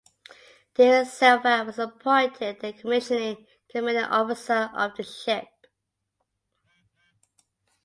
De Silva was appointed the commissioning commanding officer of the ship.